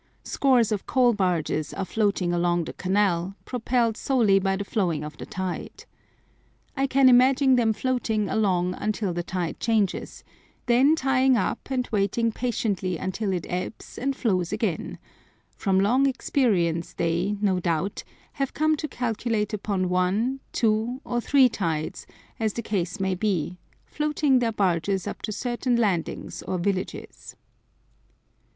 Scores of coal barges are floating along the canal, propelled solely by the flowing of the tide. I can imagine them floating along until the tide changes, then tying up and waiting patiently until it ebbs and flows again; from long experience they, no doubt, have come to calculate upon one, two, or three tides, as the case may be, floating their barges up to certain landings or villages.